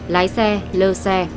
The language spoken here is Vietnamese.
lái xe lơ xe